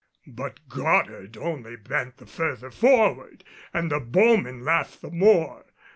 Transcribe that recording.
But Goddard only bent the further forward, and the bowmen laughed the more.